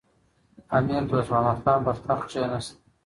امیر دوست محمد خان پر تخت کښېناست.